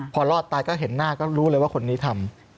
พอรอดตายก็เห็นหน้าก็รู้เลยว่าคนนี้ทำ